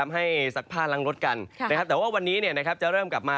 ซักผ้าล้างรถกันแต่ว่าวันนี้จะเริ่มกลับมา